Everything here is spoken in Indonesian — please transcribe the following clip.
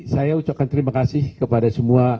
saya ucapkan terima kasih kepada semua